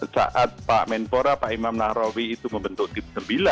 saat pak menpora pak imam nahrawi itu membentuk tim sembilan